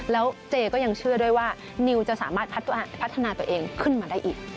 แล้วเจก็ยังเชื่อด้วยว่านิวจะสามารถพัฒนาตัวเองขึ้นมาได้อีก